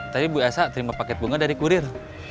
tadi bu elsa terima paket bunga dari kurir